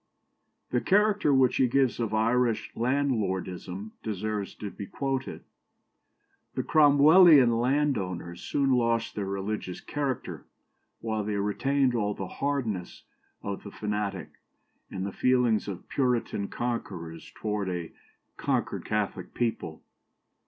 " The character which he gives of Irish landlordism deserves to be quoted: "The Cromwellian landowners soon lost their religious character, while they retained all the hardness of the fanatic and the feelings of Puritan conquerors towards a conquered Catholic people.